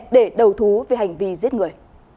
để đầu thú về hành vi giết người